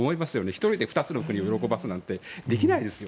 １人で２つの国を喜ばせるなんてできないですよ。